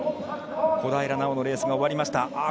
小平奈緒のレースが終わりました。